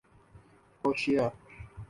کروشیا